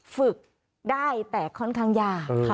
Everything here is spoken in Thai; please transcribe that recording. ฝึกได้แต่ค่อนข้างยาก